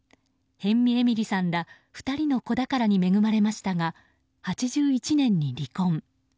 辺見えみりさんら２人の子宝に恵まれましたが８１年に離婚。